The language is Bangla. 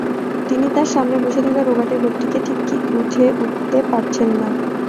তিনি তাঁর সামনে বসে থাকা রোগাটে লোকটিকে ঠিক বুঝে উঠতে পারছেন না।